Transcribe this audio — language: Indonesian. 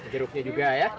jeruknya juga ya